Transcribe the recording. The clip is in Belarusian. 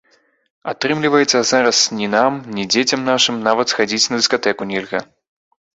Атрымліваецца, зараз ні нам, ні дзецям нашым нават схадзіць на дыскатэку нельга!